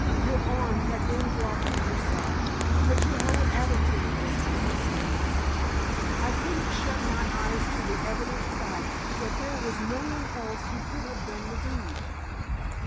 Your arm had then dropped to your side, but your whole attitude was unmistakable. I couldn't shut my eyes to the evident fact that there was no one else who could have done the deed."